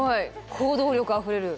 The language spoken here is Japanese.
行動力あふれる。